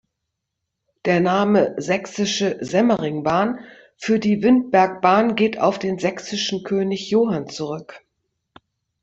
Der Name "sächsische Semmeringbahn" für die Windbergbahn geht auf den sächsischen König Johann zurück.